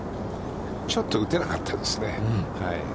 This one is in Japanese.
ちょっと打てなかったですね。